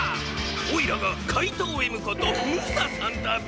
おいらがかいとうＭことムサさんだビ！